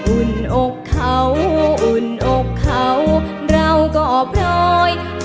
อุ่นอกเขาอุ่นอกเขาเราก็เปราไหว